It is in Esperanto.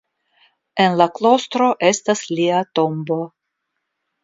En la klostro estas lia tombo.